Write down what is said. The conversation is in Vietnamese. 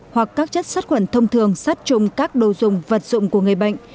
hoặc các chất sát khuẩn thông thường sát trùng các đồ dùng vật dụng của người bệnh